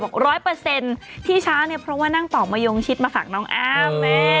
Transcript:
บอก๑๐๐ที่ช้าเนี่ยเพราะว่านั่งปอกมายงชิดมาฝากน้องอ้ามแม่